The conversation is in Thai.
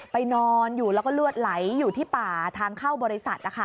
นอนอยู่แล้วก็เลือดไหลอยู่ที่ป่าทางเข้าบริษัท